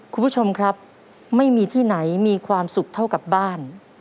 คุณผู้ชมครับไม่มีที่ไหนมีความสุขเท่ากับบ้าน